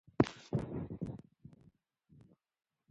وچکالي دوام لري.